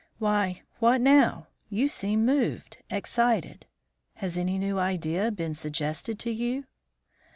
Why, what now? You seem moved excited. Has any new idea been suggested to you?"